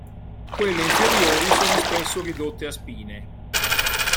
Quelle inferiori sono spesso ridotte a spine.